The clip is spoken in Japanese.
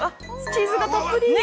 チーズがたっぷり。